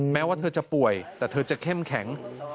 แม้ว่าเธอจะป่วยแต่เธอจะเข้มแข็ง